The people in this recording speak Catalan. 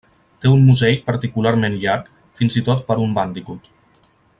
Té un musell particularment llarg, fins i tot per un bàndicut.